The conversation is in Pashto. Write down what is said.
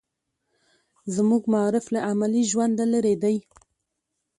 زموږ معارف له عملي ژونده لرې دی.